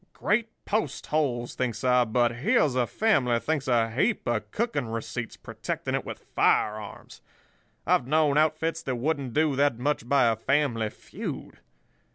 'Great post holes!' thinks I, 'but here's a family thinks a heap of cooking receipts, protecting it with firearms. I've known outfits that wouldn't do that much by a family feud.